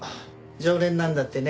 常連なんだってね。